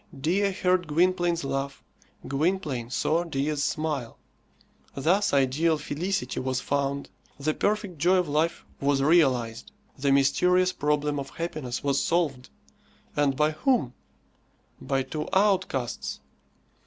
Dea heard Gwynplaine's laugh; Gwynplaine saw Dea's smile. Thus ideal felicity was found, the perfect joy of life was realized, the mysterious problem of happiness was solved; and by whom? By two outcasts.